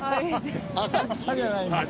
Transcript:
浅草じゃないんだから。